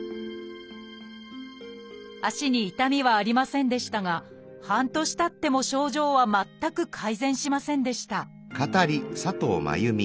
足に痛みはありませんでしたが半年たっても症状は全く改善しませんでした